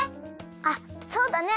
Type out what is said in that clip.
あっそうだね。